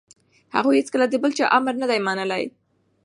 هغوی هیڅکله د بل چا امر نه دی منلی.